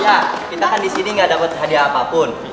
ya kita kan di sini gak dapat hadiah apapun